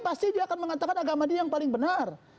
pasti dia akan mengatakan agama dia yang paling benar